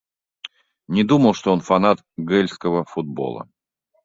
Не думал, что он фанат гэльского футбола.